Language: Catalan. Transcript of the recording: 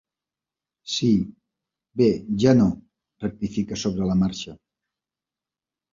Sí, bé ja no —rectifica sobre la marxa—.